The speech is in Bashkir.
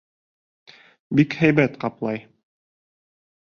Бик һәйбәт ҡаплай!